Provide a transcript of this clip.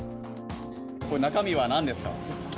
これ、中身はなんですか？